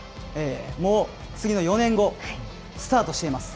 ただ、もう次の４年後、スタートしています。